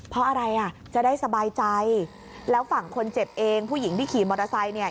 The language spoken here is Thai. เพราะอะไรอ่ะจะได้สบายใจแล้วฝั่งคนเจ็บเองผู้หญิงที่ขี่มอเตอร์ไซค์เนี่ย